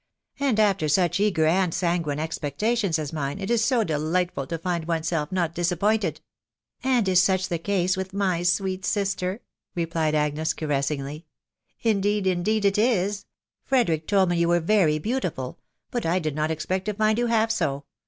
And after suck eager and sanguine expectations as mine, it is so delightful to find oneself not disappointed!'' " And is such the case with my sweet sinter ?" repued Agnes, caressingly. " Indeed, indeed it is !— Frederick told me yon were very beautiful — but I did not expect to find yon half so